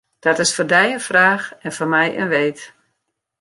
Dat is foar dy in fraach en foar my in weet.